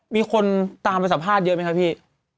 มีคนตามไปสัมภาษณ์เยอะไหมครับพี่